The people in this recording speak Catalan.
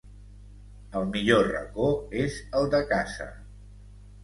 El millor racó és el de casa.